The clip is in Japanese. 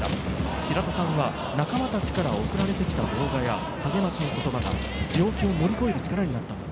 平田さんは仲間たちから送られてきたことや励ましの言葉、病気を乗り越える力になったと。